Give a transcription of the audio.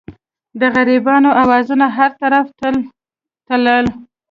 د غریبانو اوازونه هر طرف ته تلل.